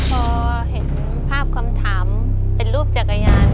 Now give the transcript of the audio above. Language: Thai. พอเห็นภาพคำถามเป็นรูปจักรยาน